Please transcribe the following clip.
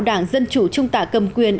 đảng dân chủ trung tả cầm quyền